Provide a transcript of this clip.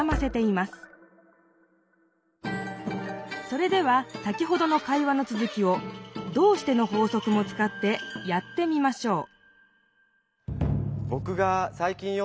それでは先ほどの会話のつづきを「どうして？」の法則もつかってやってみましょう